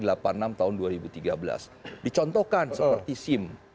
dicontohkan seperti sim dicontohkan seperti imb dicontohkan seperti stnk dan paspor dan sebagainya